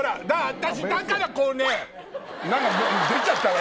私だからこうね。出ちゃったわ！